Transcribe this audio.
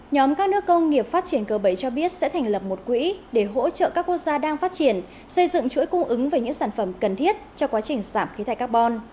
nhóm các nước công nghiệp phát triển g bảy cho biết sẽ thành lập một quỹ để hỗ trợ các quốc gia đang phát triển xây dựng chuỗi cung ứng về những sản phẩm cần thiết cho quá trình giảm khí thải carbon